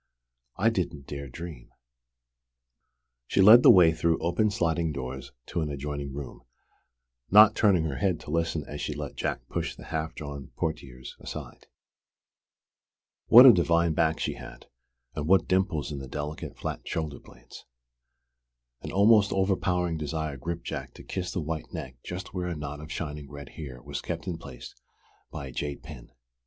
"I didn't dare dream " She led the way through open sliding doors to an adjoining room, not turning her head to listen as she let Jack push the half drawn portières aside. What a divine back she had, and what dimples in the delicate, flat shoulder blades! An almost overpowering desire gripped Jack to kiss the white neck just where a knot of shining red hair was kept in place by a jade pin.